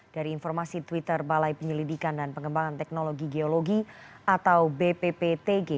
dari informasi twitter balai penyelidikan dan pengembangan teknologi geologi atau bpptg